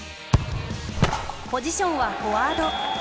ポジションはフォワード。